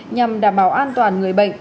nhằm đảm bảo an toàn người bệnh